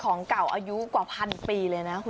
ต้องใช้ใจฟัง